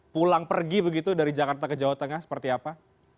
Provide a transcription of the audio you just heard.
pulang pergi begitu dari jakarta ke jawa tengah seperti apa